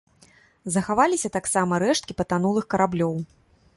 Захаваліся таксама рэшткі патанулых караблёў.